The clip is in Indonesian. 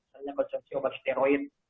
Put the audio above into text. kemudian konsumsi obat steroid